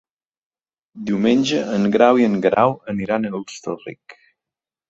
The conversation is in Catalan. Diumenge en Grau i en Guerau aniran a Hostalric.